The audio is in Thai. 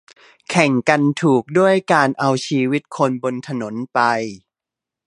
แข่งกันถูกด้วยการเอาชีวิตคนบนถนนไป